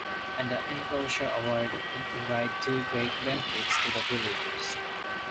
And the Inclosure Award did provide two great benefits to the villagers.